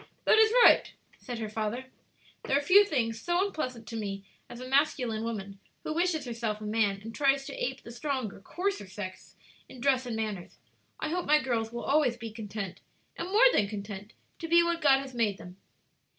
"That is right," said her father; "there are few things so unpleasant to me as a masculine woman, who wishes herself a man and tries to ape the stronger, coarser sex in dress and manners. I hope my girls will always be content, and more than content, to be what God has made them."